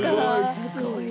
すごいわ。